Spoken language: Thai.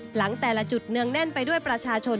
หลังแต่ละจุดเนืองแน่นไปด้วยประชาชน